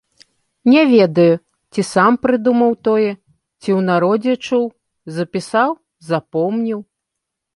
Не ведаю, ці сам прыдумаў тое, ці ў народзе чуў, запісаў, запомніў.